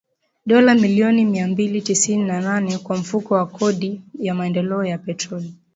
dola milioni mia mbili tisini na nane kwa Mfuko wa Kodi ya Maendeleo ya Petroli